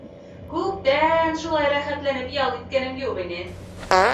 Күптән шулай рәхәтләнеп ял иткәнем юҡ ине.